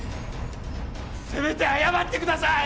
せめて謝ってください！